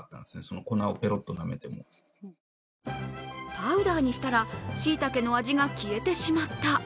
パウダーにしたらしいたけの味が消えてしまった。